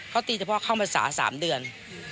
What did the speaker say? เขาตีเฉพาะเข้ามรศาสนภารคิดสามเดือน